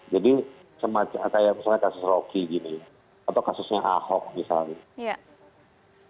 semacam kayak misalnya kasus rocky gini atau kasusnya ahok misalnya